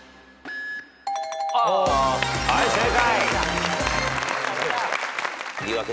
はい正解。